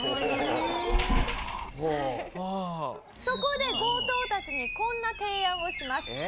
そこで強盗たちにこんな提案をします。